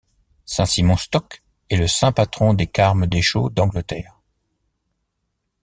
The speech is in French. Saint Simon Stock est le saint patron des Carmes Déchaux d’Angleterre.